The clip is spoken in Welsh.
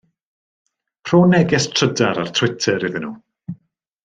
Rho neges trydar ar Twitter iddyn nhw.